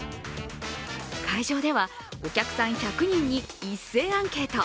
会場ではお客さん１００人に一斉アンケート。